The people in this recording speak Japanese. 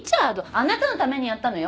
あなたのためにやったのよ。